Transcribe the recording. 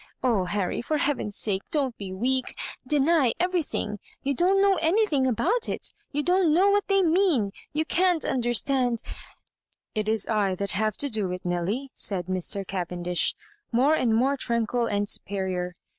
Oh, Harry, for heaven's sake don't be weak I — deny everything; you don*t know anything about it — you don't know what they mean — r you can't understand " "It is I that have to do it, Nelly," said Mr. Cavendish, more and more tranquil and superior.